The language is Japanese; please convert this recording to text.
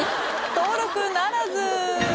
登録ならず！